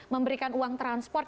memberikan uang transport